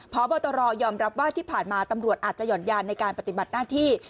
พบตรยอมรับว่าที่ผ่านมาตำรวจอาจจะห่อนยานในการปฏิบัติหน้าที่